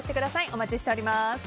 お待ちしております。